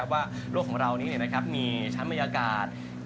ว่าโลกของเรานี้มีชั้นบรรยากาศ